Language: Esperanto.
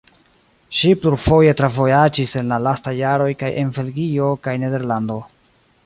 Ŝi plurfoje travojaĝis en la lastaj jaroj kaj en Belgio kaj Nederlando.